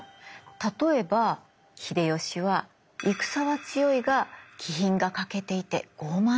例えば「秀吉は戦は強いが気品が欠けていて傲慢だ」とかね。